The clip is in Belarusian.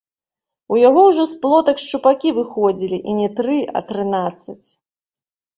У яго ўжо з плотак шчупакі выходзілі, і не тры, а трынаццаць.